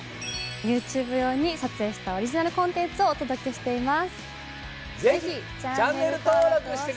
ＹｏｕＴｕｂｅ 用に撮影したオリジナルコンテンツをお届けしています。